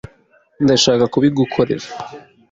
Ndashaka kubigukorera.